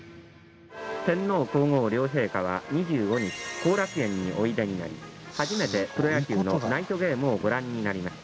天皇皇后両陛下は２５日後楽園においでになり初めてプロ野球のナイトゲームをご覧になりました